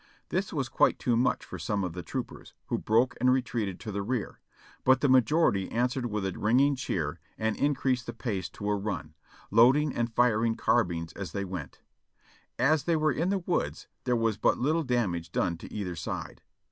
This was quite too much for some of the troopers, who broke and retreated to the rear; but the majority answered with a ringing cheer and increased the pace to a run, loading and firing carbines as they went. As they were in the woods, there was but little damage done to either side.